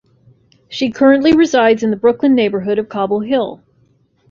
She currently resides in the Brooklyn neighborhood of Cobble Hill.